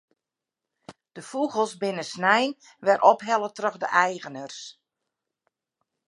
De fûgels binne snein wer ophelle troch de eigeners.